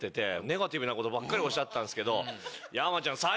ネガティブなことばっかりおっしゃってたんですけど。